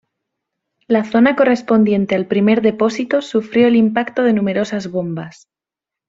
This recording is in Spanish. La zona correspondiente al primer depósito sufrió el impacto de numerosas bombas.